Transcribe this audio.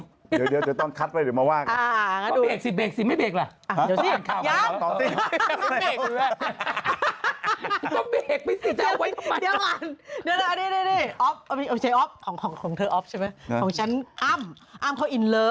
เดี๋ยวเดี๋ยวต้องคัดไว้หรือมาว่างรึไงอะงั้นดู